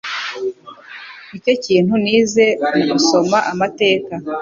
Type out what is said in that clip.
Nicyo kintu nize mugusoma amateka.